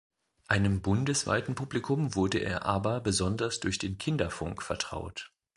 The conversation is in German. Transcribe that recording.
Einem bundesweiten Publikum wurde er aber besonders durch den Kinderfunk vertraut.